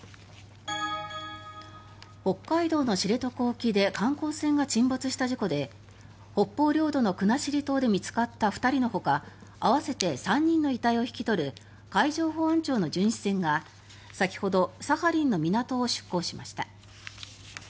北海道の知床沖で観光船が沈没した事故で北方領土の国後島で見つかった２人のほか合わせて３人の遺体を引き取る海上保安庁の巡視船が先ほど、サハリンの港を出港しました。